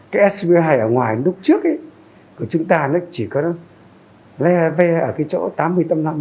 cái spi ở ngoài lúc trước của chúng ta chỉ có le ve ở cái chỗ tám mươi tâm lâm